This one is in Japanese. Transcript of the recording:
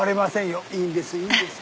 いいんですいいんです。